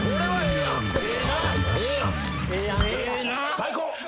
最高！